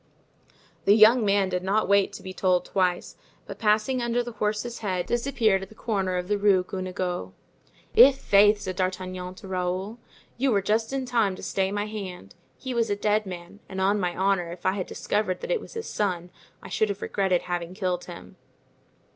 The young man did not wait to be told twice, but passing under the horse's head disappeared at the corner of the Rue Guenegaud. "I'faith!" said D'Artagnan to Raoul, "you were just in time to stay my hand. He was a dead man; and on my honor, if I had discovered that it was his son, I should have regretted having killed him."